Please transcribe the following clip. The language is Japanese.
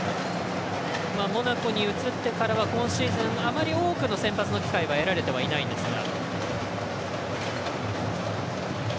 モナコに移ってからは今シーズン、あまり多くの先発の機会は得られてはいないんですが。